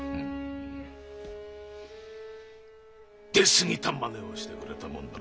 出過ぎたまねをしてくれたもんだな。